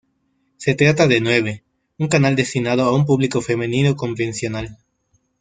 Se trata de Nueve, un canal destinado a un público femenino convencional.